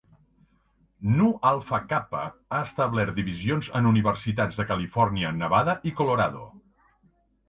Nu Alpha Kappa ha establert divisions en universitats de Califòrnia, Nevada i Colorado.